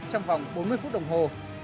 trong vòng bốn mươi phút đồng hồ